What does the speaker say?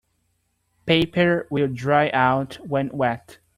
Paper will dry out when wet.